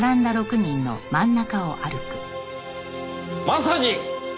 まさに！